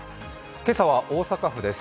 今朝は大阪府です。